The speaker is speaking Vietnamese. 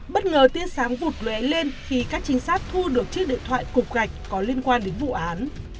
bất ngờ tiên sáng vụt lué lên khi các trinh sát thu được chiếc điện thoại cục gạch có liên quan đến vụ án